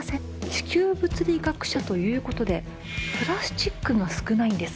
地球物理学者ということでプラスチックが少ないんです